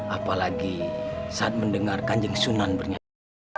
apalagi saat mendengar kanjeng sunan bernyanyi